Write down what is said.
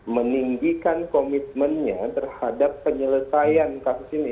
meninggikan komitmennya terhadap penyelesaian kasus ini